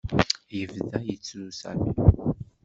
Yebda yettru Sami.